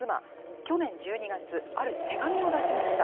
去年１２月、ある手紙を出しました。